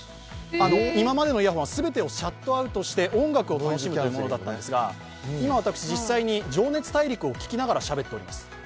今までのイヤホンは全てをシャットアウトして音楽を楽しむものだったんですが、今、私実際に「情熱大陸」を聴きながらしゃべっております。